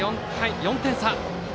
４点差。